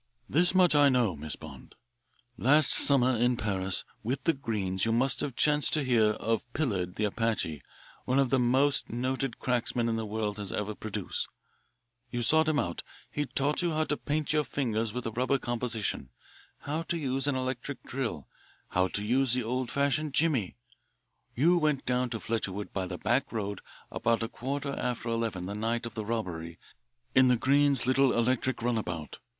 "This much I know, Miss Bond. Last summer in Paris with the Greenes you must have chanced to hear, of Pillard, the Apache, one of the most noted cracksmen the world has ever produced. You sought him out. He taught you how to paint your fingers with a rubber composition, how to use an electric drill, how to use the old fashioned jimmy. You went down to Fletcherwood by the back road about a quarter after eleven the night of the robbery in the Greenes' little electric runabout.